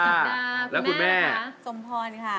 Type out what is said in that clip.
สักดาแล้วคุณแม่ครับสักดาคุณแม่ครับ